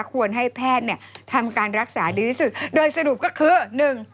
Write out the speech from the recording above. ควรให้แพทย์เนี่ยทำการรักษาดีที่สุดโดยสรุปก็คือหนึ่ง